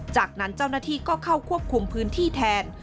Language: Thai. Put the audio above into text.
จากนั้นเจ้าหน้าที่ก็เข้าควบคุมพื้นที่แทน